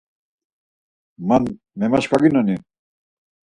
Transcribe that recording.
Man memaşkvaginoni?